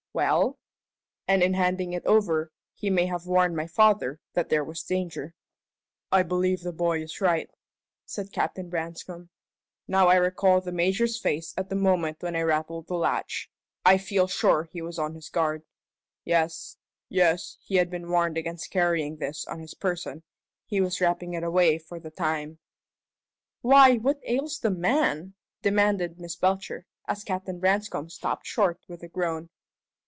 "Well?" "And in handing it over he may have warned my father that there was danger." "I believe the boy is right," said Captain Branscome. "Now I recall the Major's face at the moment when I rattled the latch, I feel sure he was on his guard. Yes yes, he had been warned against carrying this on his person he was wrapping it away for the time " "Why, what ails the man?" demanded Miss Belcher, as Captain Branscome stopped short with a groan.